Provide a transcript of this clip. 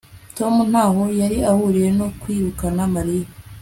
tom ntaho yari ahuriye no kwirukana mariya